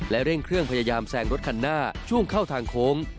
เร่งเครื่องพยายามแซงรถคันหน้าช่วงเข้าทางโค้ง